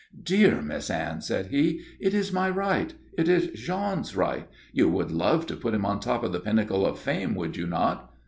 "Dear Miss Anne," said he, "it is my right. It is Jean's right. You would love to put him on top of the pinnacle of fame, would you not?"